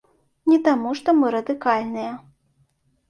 Не таму што мы радыкальныя.